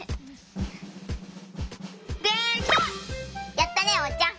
やったねおうちゃん。